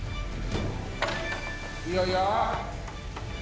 ・いいよいいよ